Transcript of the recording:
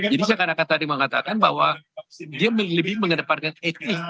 jadi seakan akan tadi mengatakan bahwa dia lebih mengedepankan etik